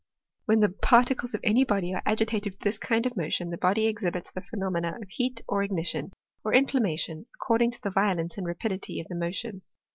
Whea the particles of any body are agitated with this kind of motion, the body exhibits the phenomena of heat or ignition, or inflammation, according to the violence and rapidity of the motion.